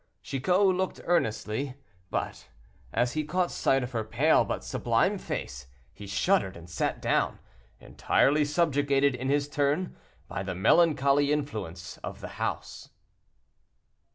Chicot looked earnestly, but as he caught sight of her pale but sublime face, he shuddered and sat down, entirely subjugated, in his turn, by the melancholy influence of the house.